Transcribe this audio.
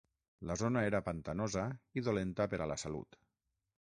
La zona era pantanosa i dolenta per a la salut.